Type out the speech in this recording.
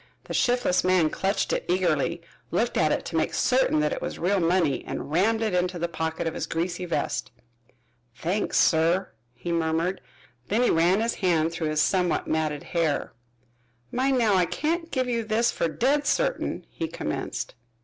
The shiftless man clutched it eagerly, looked at it to make certain that it was real money, and rammed it into the pocket of his greasy vest. "Thanks, sir," he murmured. Then he ran his hand through his somewhat matted hair. "Mind now, I can't give you this fer dead certain," he commenced.